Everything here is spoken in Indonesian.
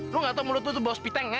lu gak tau mulut lu tuh bau spiteng ya